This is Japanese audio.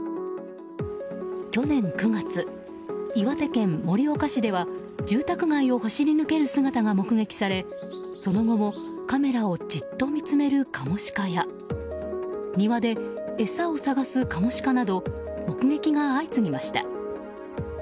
去年９月、岩手県盛岡市では住宅街を走り抜ける姿が目撃されその後も、カメラをじっと見つめるカモシカや庭で餌を探すカモシカなど目撃が相次ぎました。